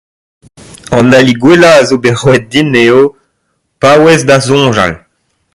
"An ali gwellañ a zo bet roet din eo ""paouez da soñjal""."